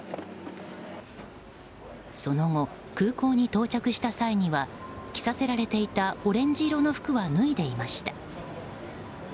その後、空港に到着した際には着させられていたオレンジ色の服は脱いでいました。